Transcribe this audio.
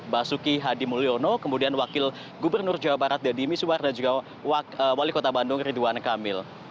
basuki hadimulyono kemudian wakil gubernur jawa barat dedy misuar dan juga wali kota bandung ridwan kamil